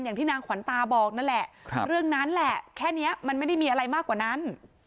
อย่างที่นางขวัญตาบอกนั่นแหละเรื่องนั้นแหละแค่นี้มันไม่ได้มีอะไรมากกว่านั้น